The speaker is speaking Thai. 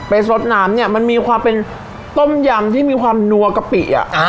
สดน้ำเนี่ยมันมีความเป็นต้มยำที่มีความนัวกะปิอ่ะ